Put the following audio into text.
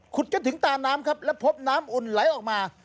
จนถึงตาน้ำครับแล้วพบน้ำอุ่นไหลออกมา